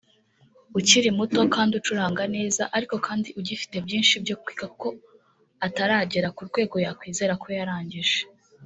ukiri muto kandi ucuranga neza ariko kandi ugifite byinshi byo kwiga kuko ataragera ku rwego yakwizera ko yarangije